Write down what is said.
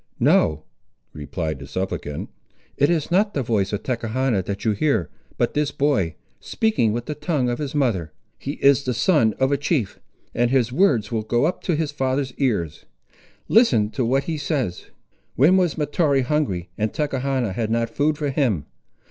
"No," replied the supplicant; "it is not the voice of Tachechana that you hear, but this boy, speaking with the tongue of his mother. He is the son of a chief, and his words will go up to his father's ears. Listen to what he says. When was Mahtoree hungry and Tachechana had not food for him?